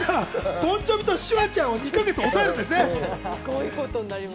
ボン・ジョヴィとシュワちゃんを２か月おさえるんですね。